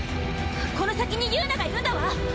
この先に友奈がいるんだわ。